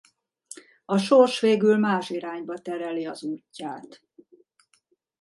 A sors végül más irányba tereli az útját.